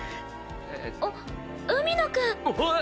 あっ海野くん！えっ？